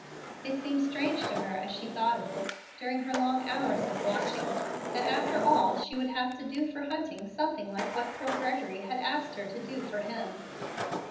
It seemed strange to her as she thought of it, during her long hours of watching, that after all she would have to do for Hunting something like what poor Gregory had asked her to do for him.